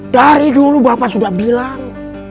dari dulu bapak sudah bilang